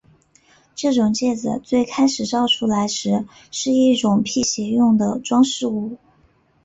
这种戒指最开始造出来时是一种辟邪用的装饰物。